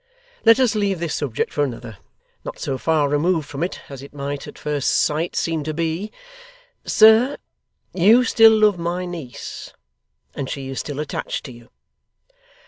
Let us leave this subject for another not so far removed from it as it might, at first sight, seem to be. Sir, you still love my niece, and she is still attached to you.